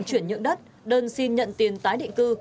chuyển nhượng đất đơn xin nhận tiền tái định cư